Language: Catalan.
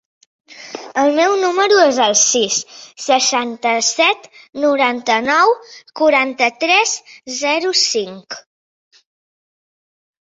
El meu número es el sis, seixanta-set, noranta-nou, quaranta-tres, zero, cinc.